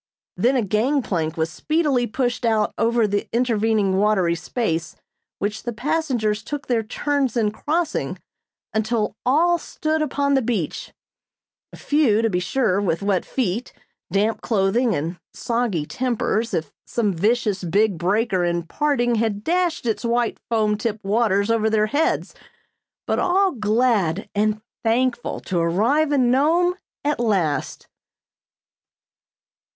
Then a gangplank was speedily pushed out over the intervening watery space which the passengers took their turns in crossing until all stood upon the beach; a few, to be sure, with wet feet, damp clothing and soggy tempers if some vicious, big breaker in parting had dashed its white foam tipped waters over their heads, but all glad and thankful to arrive in Nome at last.